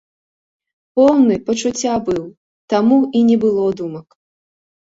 Поўны пачуцця быў, таму і не было думак.